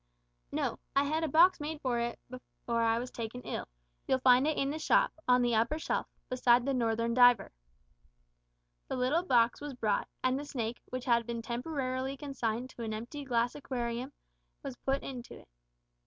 "No, I had a box made for it before I was taken ill. You'll find it in the shop, on the upper shelf, beside the northern diver." The little box was brought, and the snake, which had been temporarily consigned to an empty glass aquarium, was put into it.